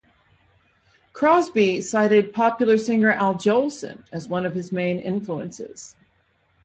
Crosby cited popular singer Al Jolson as one of his main influences.